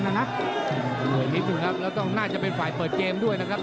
เปิดนิดนึงครับแล้วต้องน่าจะเป็นฝ่ายเปิดเกมด้วยนะครับ